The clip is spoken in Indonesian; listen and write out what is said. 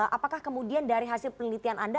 apakah kemudian dari hasil penelitian anda